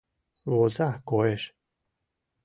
— Воза, коеш.